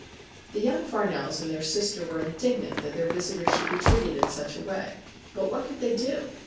The young Farnells and their sister were indignant that their visitor should be treated in such a way. But what could they do